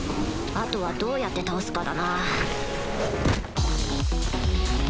あとはどうやって倒すかだな